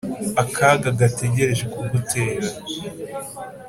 akaga gategereje kugutera.